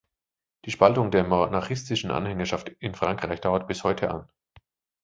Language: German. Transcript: Die Spaltung der monarchistischen Anhängerschaft in Frankreich dauert bis heute an.